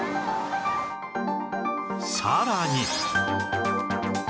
さらに